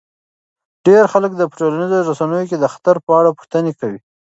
ډیری خلک په ټولنیزو رسنیو کې د خطر په اړه پوښتنې کوي.